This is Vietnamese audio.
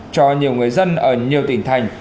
cho nhiều người dân ở nhiều tỉnh thành